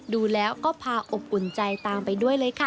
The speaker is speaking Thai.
ดูแล้วก็พาอบอุ่นใจตามไปด้วยเลยค่ะ